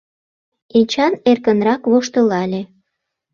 Эчан эркынрак воштылале: